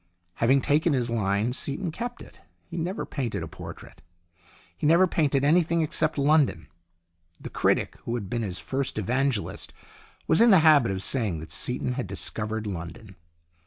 Having taken his line, Seaton kept it. He never painted a portrait. He never painted anything except London. The critic who had been his first evangelist was in the habit of saying that Seaton had discovered London.